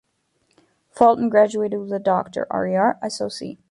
Faltin graduated with a Doctor rer.soc.